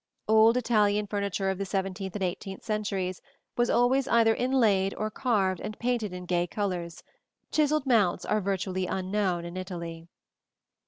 Old Italian furniture of the seventeenth and eighteenth centuries was always either inlaid or carved and painted in gay colors: chiselled mounts are virtually unknown in Italy.